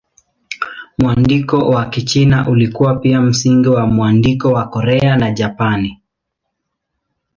Mwandiko wa Kichina ulikuwa pia msingi wa mwandiko wa Korea na Japani.